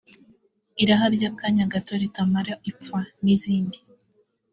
« Irahary’akanya gato ritamara ipfa » n’izindi